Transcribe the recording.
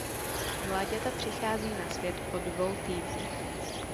Mláďata přichází na svět po dvou týdnech.